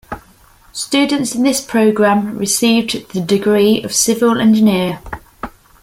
Students in this program received the degree of civil engineer.